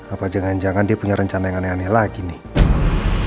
apa jangan jangan dia punya rencana yang aneh aneh lagi nih